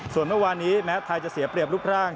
ส่วนเมื่อวานนี้แม้ไทยจะเสียเปรียบรูปร่าง